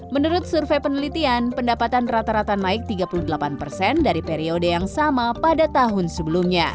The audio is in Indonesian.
menurut survei penelitian pendapatan rata rata naik tiga puluh delapan persen dari periode yang sama pada tahun sebelumnya